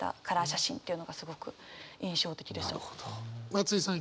松居さん